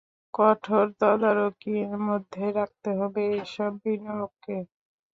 কঠোর তদারকির মধ্যে রাখতে হবে এসব বিনিয়োগকে।